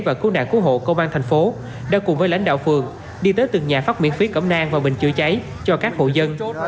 và cú nạn cú hộ công an tp hcm đã cùng với lãnh đạo phường đi tới từng nhà phát miễn phí cẩm nang và bình chữa cháy cho các hộ dân